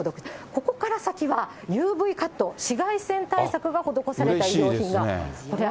ここから先は、ＵＶカット、紫外線対策が施された衣料品が。